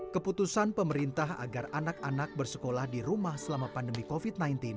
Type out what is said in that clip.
keputusan pemerintah agar anak anak bersekolah di rumah selama pandemi covid sembilan belas